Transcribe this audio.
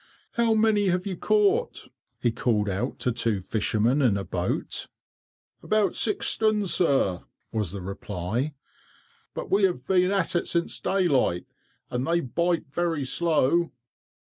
—How many have you caught?" he called out to two fishermen in a boat. "About six stone, sir," was the reply; "but we have been at it since daylight, and they bite very slow."